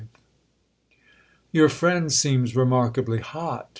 V "Your friend seems remarkably hot!"